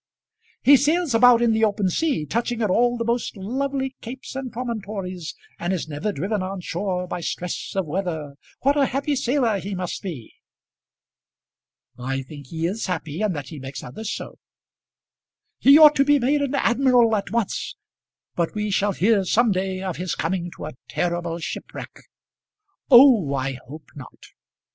"He sails about in the open sea, touching at all the most lovely capes and promontories, and is never driven on shore by stress of weather! What a happy sailor he must be!" "I think he is happy, and that he makes others so." "He ought to be made an admiral at once But we shall hear some day of his coming to a terrible shipwreck." "Oh, I hope not!"